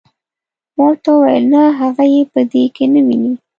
ما ورته وویل نه هغه یې په دې کې نه ویني.